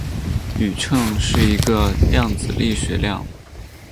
宇称是一个量子力学量。